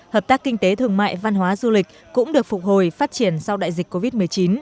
hợp tác kinh tế thường mại văn hóa du lịch cũng được phục hồi phát triển sau đại dịch covid một mươi chín